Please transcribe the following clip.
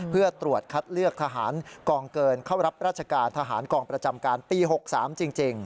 เพื่อตรวจคัดเลือกทหารกองเกินเข้ารับราชการทหารกองประจำการปี๖๓จริง